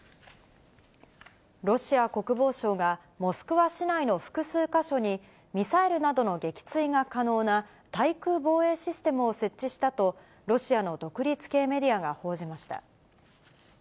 ロシア国防省が、モスクワ市内の複数か所にミサイルなどの撃墜が可能な、対空防衛システムを設置したと、ロシアの独立系メディアが報じました。